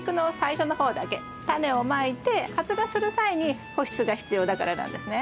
タネをまいて発芽する際に保湿が必要だからなんですね。